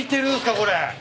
これ。